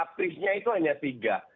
berisnya itu hanya tiga